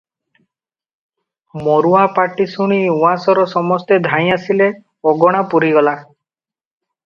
ମରୁଆ ପାଟି ଶୁଣି ଉଆସର ସମସ୍ତେ ଧାଇଁ ଆସିଲେ, ଅଗଣା ପୂରିଗଲା ।